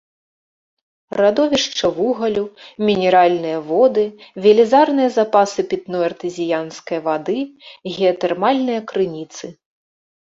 Радовішча вугалю, мінеральныя воды, велізарныя запасы пітной артэзіянскай вады, геатэрмальныя крыніцы.